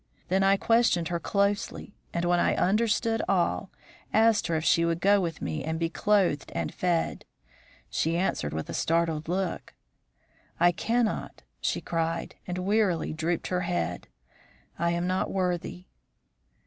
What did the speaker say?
Then I questioned her closely, and, when I understood all, asked her if she would go with me and be clothed and fed. She answered with a startled look. 'I cannot!' she cried, and wearily drooped her head. 'I am not worthy.'